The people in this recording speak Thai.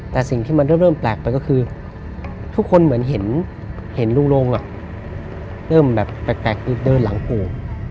แต่สิ่งที่มันเริ่มแปลกไปก็คือทุกคนเหมือนเห็นลุงลงเริ่มแบบแปลกคือเดินหลังปู่